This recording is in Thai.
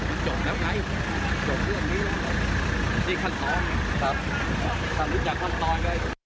คันทรวงจากคันตรอง